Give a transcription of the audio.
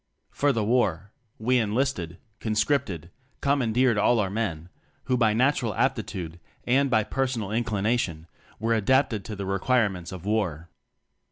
For the War, we enlisted, conscript ed, commandeered all our men who by natural aptitude, and by personal in clination, were adapted to the require ments of war.